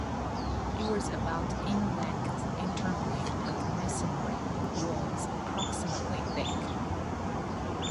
It was about in length internally with masonry walls approximately thick.